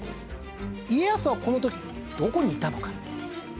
家康はこの時どこにいたのか？